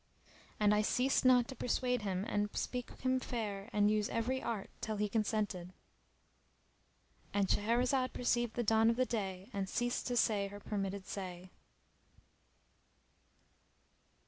And I ceased not to persuade him and speak him fair and use every art till he consented.—And Shahrazad perceived the dawn of day and ceased to say her permitted say.